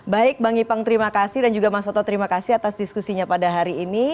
baik bang ipang terima kasih dan juga mas soto terima kasih atas diskusinya pada hari ini